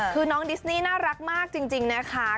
คือน้องดิสนี่น่ารักมากจริงนะคะ